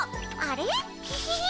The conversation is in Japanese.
あれ？